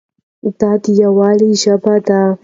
دا د یووالي ژبه ده.